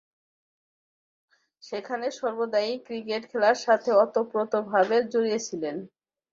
সেখানে সর্বদাই ক্রিকেট খেলার সাথে ওতপ্রোতভাবে জড়িয়ে ছিলেন।